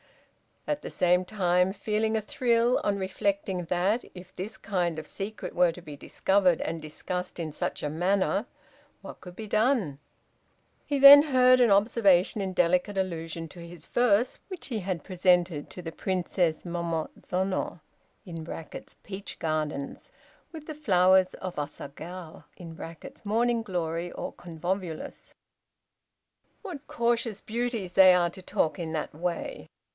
At the same time feeling a thrill on reflecting that, if this kind of secret were to be discovered and discussed in such a manner, what could be done. He then heard an observation in delicate allusion to his verse which he had presented to the Princess Momo zono (peach gardens) with the flowers of Asagao (morning glory, or convolvulus). "What cautious beauties they are to talk in that way!